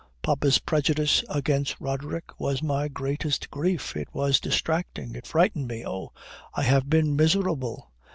Papa's prejudice against Roderick was my greatest grief. It was distracting. It frightened me. Oh! I have been miserable!